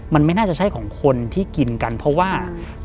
มันไม่น่าจะใช่ของคนที่กินกันเพราะว่า